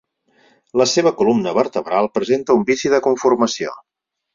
La seva columna vertebral presenta un vici de conformació.